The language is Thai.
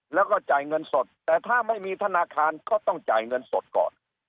แล้วก็จ่ายเงินสดแต่ถ้าไม่มีธนาคารก็ต้องจ่ายเงินสดก่อน